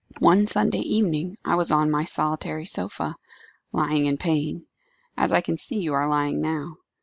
"One Sunday evening, I was on my solitary sofa lying in pain as I can see you are lying now.